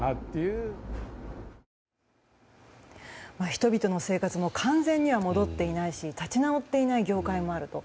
人々の生活も完全には戻っていないし立ち直っていない業界もあると。